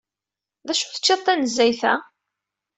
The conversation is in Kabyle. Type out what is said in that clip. D acu teččiḍ tanezzayt-a?